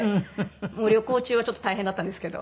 もう旅行中はちょっと大変だったんですけど。